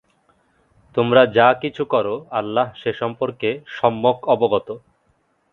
তোমরা যা কিছু কর আল্লাহ সে সম্পর্কে সম্যক অবগত।